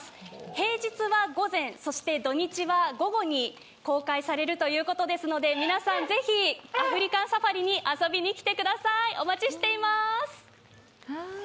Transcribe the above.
平日は午前、そして土日は午後に公開されるということですので皆さん、是非アフリカンサファリに遊びに来てください！